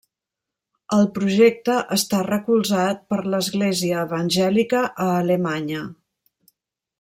El projecte està recolzat per l'Església Evangèlica a Alemanya.